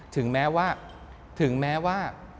ถึงแม้ว่า